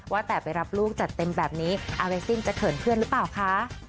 ว่าแต่ไปรับลูกจัดเต็มแบบนี้อาเวซิ่งจะเขินเพื่อนหรือเปล่าคะ